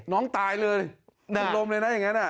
น้องตายเลยลมเลยนะอย่างนี้นะ